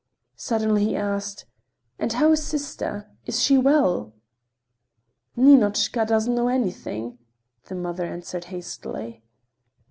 Suddenly he asked: "And how is sister? Is she well?" "Ninochka does not know anything," the mother answered hastily.